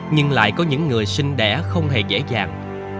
nhưng lại có những người sinh đẻ không hề dễ dàng